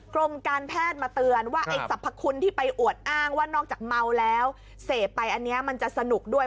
กรมการแพทย์มาเตือนว่าไอ้สรรพคุณที่ไปอวดอ้างว่านอกจากเมาแล้วเสพไปอันนี้มันจะสนุกด้วย